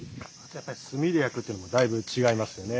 やっぱり炭で焼くっていうのはだいぶ違いますよね。